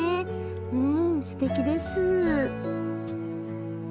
うんすてきです。